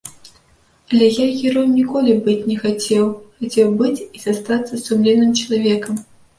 Але я героем ніколі быць не хацеў, хацеў быць і застацца сумленным чалавекам.